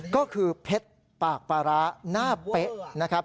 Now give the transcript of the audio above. ก็คือพรรดิปากปราหน้าเป๊ะนะครับ